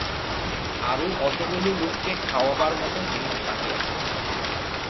আরো অতগুলো লোককে খাওয়াবার মতো জিনিস বাকি আছে।